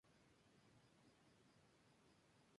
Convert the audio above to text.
Es introvertida en cuanto a su relación amorosa.